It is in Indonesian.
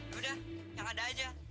ya udah yang ada aja